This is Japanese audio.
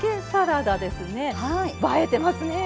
映えてますねえ。